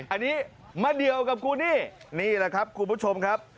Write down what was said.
อันนี้มาเดี่ยวกับกูนี่นี่แหละครับคุณผู้ชมครับ